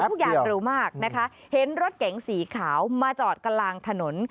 ทุกอย่างเร็วมากนะคะเห็นรถเก๋งสีขาวมาจอดกลางถนน